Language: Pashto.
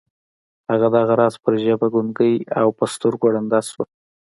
هغه دغه راز پر ژبه ګونګۍ او پر سترګو ړنده شوه